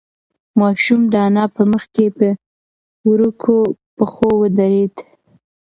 ماشوم د انا په مخ کې په وړوکو پښو ودرېد.